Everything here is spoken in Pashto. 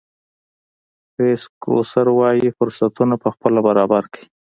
کرېس ګروسر وایي فرصتونه پخپله برابر کړئ.